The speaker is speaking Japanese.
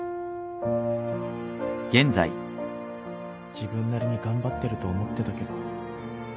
自分なりに頑張ってると思ってたけど